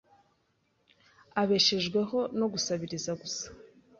abeshejweho no gusabiririza gusa